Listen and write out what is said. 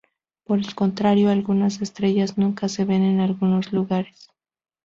Por el contrario, algunas estrellas nunca se ven en algunos lugares.